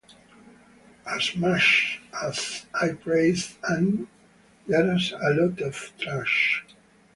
As much as I praise Anime, there's a lot of trash.